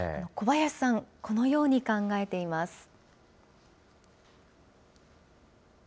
小林さん、このように考えています。